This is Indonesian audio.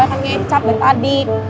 jangan kebanyakan ngecap dari tadi